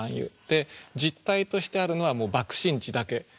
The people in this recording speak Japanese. で実体としてあるのは「爆心地」だけ。